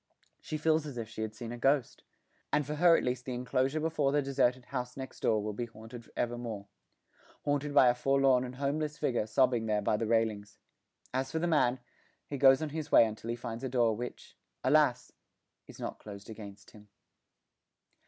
She feels as if she had seen a ghost; and for her at least the enclosure before the deserted house next door will be haunted evermore haunted by a forlorn and homeless figure sobbing there by the railings. As for the man, he goes on his way until he finds a door which alas! is not closed against him.